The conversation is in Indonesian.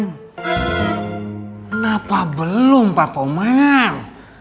kenapa belum pak komar